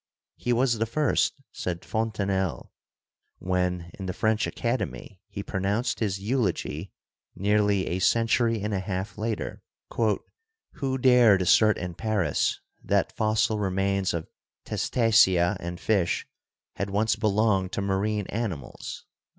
"He was the first," said Fontenelle when, in the French Academy, he pronounced his eulogy, nearly a century and a half later, "who dared assert in Paris that fossil remains of testacea and fish had once belonged to marine animals."